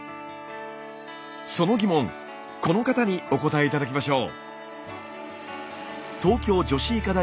その疑問この方にお答え頂きましょう。